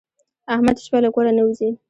احمد شپه له کوره نه وځي.